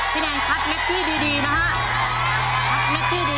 แนนคัดเม็ดที่ดีนะฮะคัดเม็ดที่ดี